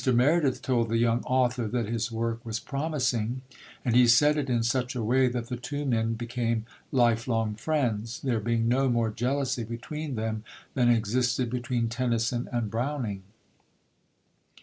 Meredith told the young author that his work was promising; and he said it in such a way that the two men became life long friends, there being no more jealousy between them than existed between Tennyson and Browning.